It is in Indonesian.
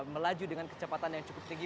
melaju dengan kecepatan yang cukup tinggi